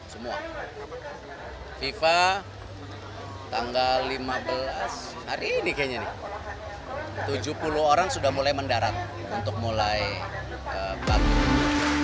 semua fifa tanggal lima belas hari ini kayaknya nih tujuh puluh orang sudah mulai mendarat untuk mulai bangun